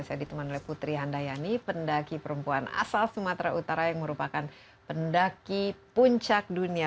saya ditemani oleh putri handayani pendaki perempuan asal sumatera utara yang merupakan pendaki puncak dunia